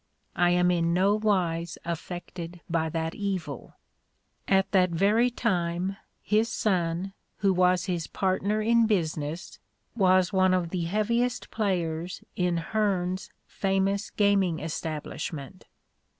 I am in no wise affected by that evil." At that very time his son, who was his partner in business, was one of the heaviest players in "Herne's" famous gaming establishment.